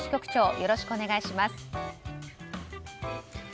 よろしくお願いします。